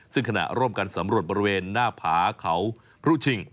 ซึ่งขณะร่วมกันสำรวจบริเวณหน้าผาเขาพรุชิง